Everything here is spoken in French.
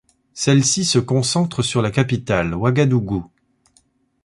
Celles-ci se concentre sur la capitale, Ouagadougou.